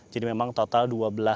jadi memang total